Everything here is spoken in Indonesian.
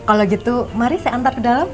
kalau gitu mari saya antar ke dalam